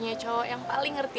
whole setelah ini